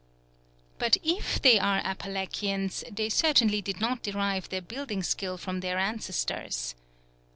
But if they are Apalachians, they certainly did not derive their building skill from their ancestors.